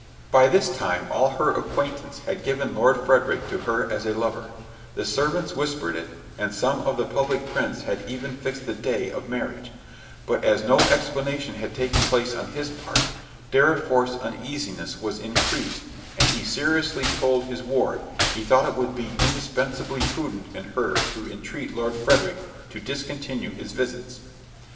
By this time all her acquaintance had given Lord Frederick to her as a lover; the servants whispered it, and some of the public prints had even fixed the day of marriage;—but as no explanation had taken place on his part, Dorriforth's uneasiness was increased, and he seriously told his ward, he thought it would be indispensably prudent in her to entreat Lord Frederick to discontinue his visits.